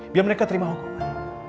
biar mereka terima hukuman